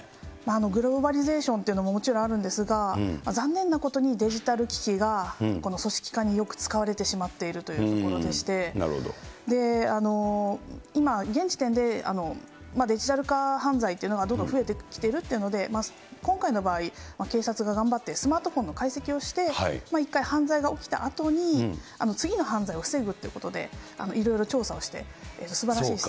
グローバリゼーションというのがもちろんあるんですが、残念なことに、デジタル機器が組織化によく使われてしまっているというところでして、今、現時点でデジタル化犯罪というのがどんどん増えてきているというので、今回の場合、警察が頑張って、スマートフォンの解析をして、一回犯罪が起きたあとに、次の犯罪を防ぐということで、いろいろ調査をして、すばらしい。